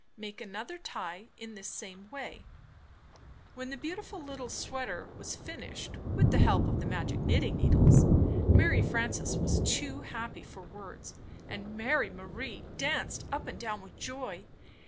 Make another tie in this same way. ~^„ J When the beautiful little sweater was finished, Wlind on with the help of the magic knitting needles, Mary l(L\ g]];|£i|Frances was too happy for words, and Mary Marie danced up and down with joy.